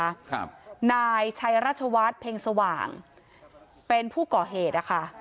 ค่ะนายชายรัชวัสเพลงสว่างเป็นผู้ก่อเหตุค่ะ